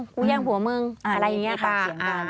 กูแย่งผัวมึงอะไรอย่างนี้ค่ะ